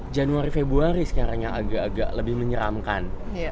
januari februari sekarang yang agak agak lebih menyeramkan